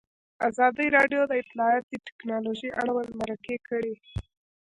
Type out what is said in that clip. ازادي راډیو د اطلاعاتی تکنالوژي اړوند مرکې کړي.